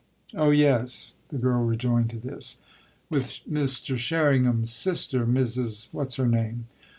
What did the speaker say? "Oh yes," the girl rejoined to this, "with Mr. Sherringham's sister, Mrs. what's her name?